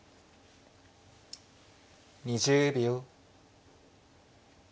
２０秒。